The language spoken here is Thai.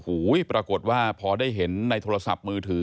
โอ้โหปรากฏว่าพอได้เห็นในโทรศัพท์มือถือ